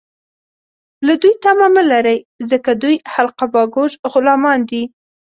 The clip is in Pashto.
له دوی تمه مه لرئ ، ځکه دوی حلقه باګوش غلامان دي